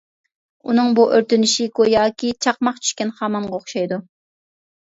ئۇنىڭ بۇ ئۆرتىنىشى گوياكى چاقماق چۈشكەن خامانغا ئوخشايدۇ.